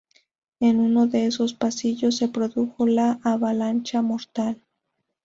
En uno de esos pasillos se produjo la avalancha mortal.